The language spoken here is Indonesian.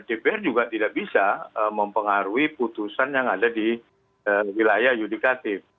dpr juga tidak bisa mempengaruhi putusan yang ada di wilayah yudikatif